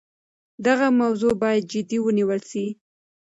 دغه موضوع باید جدي ونیول سي.